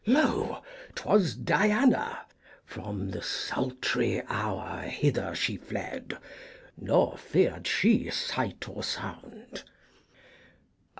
Lo ! 'twas Diana — from the sultry hour Hither she fled, nor fear'd she sight or sound.